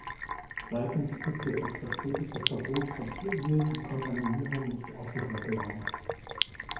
Zweitens ist durch das verspätete Verbot von Tiermehl die Kontaminierung nicht ausgeschlossen worden.